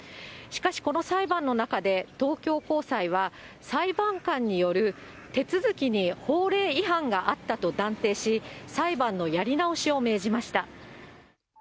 しかし、この裁判の中で、東京高裁は裁判官による手続きに法令違反があったと断定し、裁判のやり直しを命じました。